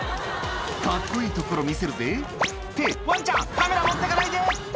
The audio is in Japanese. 「カッコいいところ見せるぜ」ってワンちゃんカメラ持ってかないで！